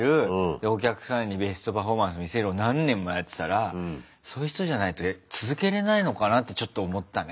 お客さんにベストパフォーマンス見せるを何年もやってたらそういう人じゃないと続けれないのかなってちょっと思ったね。